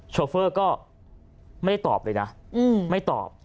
ชอเฟอร์ไม่ตอบเลยนะไม่ตอบ